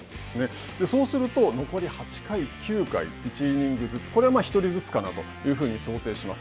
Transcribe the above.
そうすると、残り８回、９回、１イニングずつ、これは１人ずつかなというふうに想定します。